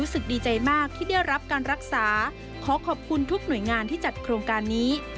ดีใจมากที่ได้รับการรักษาขอขอบคุณทุกหน่วยงานที่จัดโครงการนี้